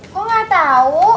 kok nggak tahu